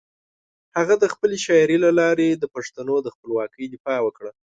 هغه د خپلې شاعري له لارې د پښتنو د خپلواکۍ دفاع وکړه.